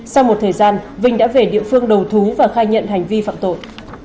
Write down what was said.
sau một thời gian vinh đã về địa phương đầu thú và khai nhận hành vi phạm tội